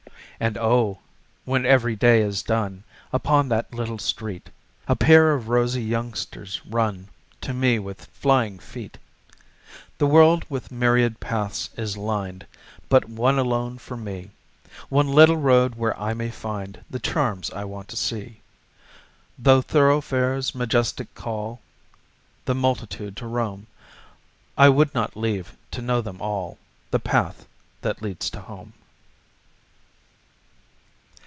And, Oh, when every day is done Upon that little street, A pair of rosy youngsters run To me with flying feet. The world with myriad paths is lined But one alone for me, One little road where I may find The charms I want to see. Though thoroughfares majestic call The multitude to roam, I would not leave, to know them all, The path that leads to home.